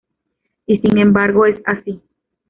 Y sin embargo es así.